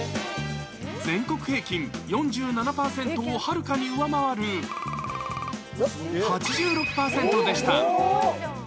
全国平均４７％をはるかに上回る８６％でした。